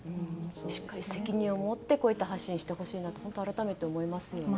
しっかり責任を持ってこういった発信をしてほしいなと改めて思いますよね。